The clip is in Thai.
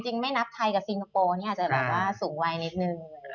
จริงไม่นับไทยกับซิงโกโปนี่อาจจะแผมว่าสูงไวนิดนึง